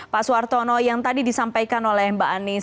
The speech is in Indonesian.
pak suwartono yang tadi disampaikan oleh mbak anies